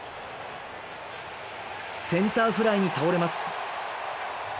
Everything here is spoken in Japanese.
センターフライに倒れます。